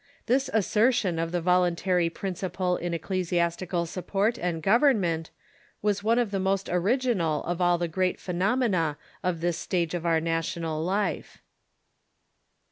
This assertion of the voluntary principle in ecclesiastical support and government was one of the most original of all the great phenomena of this stage of our na tional life.